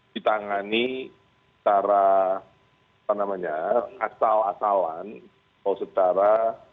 ditangani secara apa namanya asal asalan atau secara